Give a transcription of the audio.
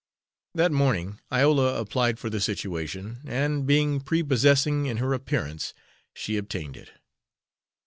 That morning Iola applied for the situation, and, being prepossessing in her appearance, she obtained it.